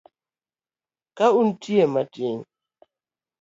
kaunti matin.